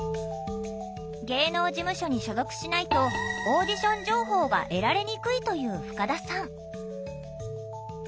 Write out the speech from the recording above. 芸能事務所に所属しないとオーディション情報は得られにくいという深田さん